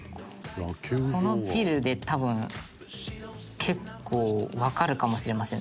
「このビルで多分結構わかるかもしれませんね